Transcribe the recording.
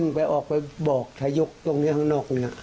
มาเก็บบอกว่าไอเนี่ย